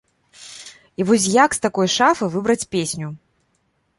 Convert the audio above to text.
І вось як з такой шафы выбраць песню?